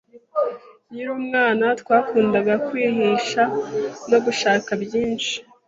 Nkiri umwana, twakundaga kwihisha no gushaka byinshi.